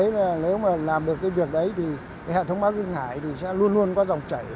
nếu mà làm được việc đấy thì hệ thống bắc ngãi sẽ luôn luôn có dòng chảy